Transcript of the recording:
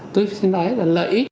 tôi xin nói là lợi ích